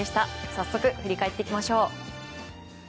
早速、振り返っていきましょう。